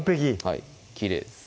はいきれいです